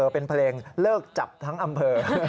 เป็นเพลงเลิกจับทั้งอำเภอ